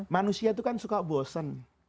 manusia itu kan suka bosen